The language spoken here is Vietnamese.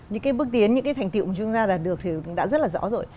những cái bước tiến những cái thành tiệu mà chúng ta đạt được thì đã rất là rõ rồi